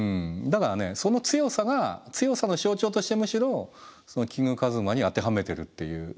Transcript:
だからねその強さが強さの象徴としてむしろそのキングカズマに当てはめてるっていうことなんですね。